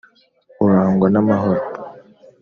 urangwa n’amahoro.